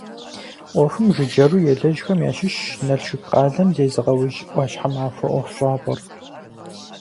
Ӏуэхум жыджэру елэжьхэм ящыщщ Налшык къалэм зезыгъэужь «ӏуащхьэмахуэ» ӀуэхущӀапӀэр.